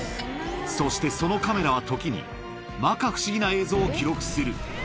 そしてそのカメラは時に、まか不思議な映像を記録する。